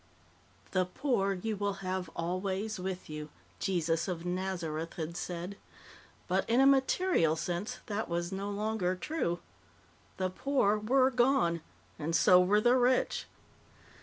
"The poor you will have always with you," Jesus of Nazareth had said. But, in a material sense, that was no longer true. The poor were gone and so were the rich.